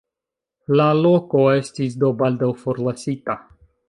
La loko estis do baldaŭ forlasita.